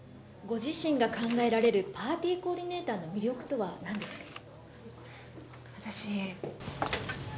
ご自身が考えられるパーティーコーディネーターの魅力とはなんですか？